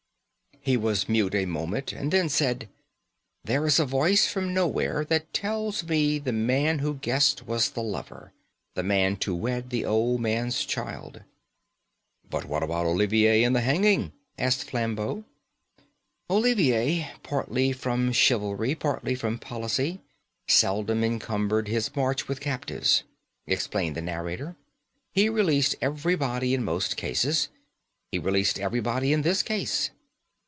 He was mute a moment, and then said: "There is a voice from nowhere that tells me the man who guessed was the lover... the man to wed the old man's child." "But what about Olivier and the hanging?" asked Flambeau. "Olivier, partly from chivalry, partly from policy, seldom encumbered his march with captives," explained the narrator. "He released everybody in most cases. He released everybody in this case."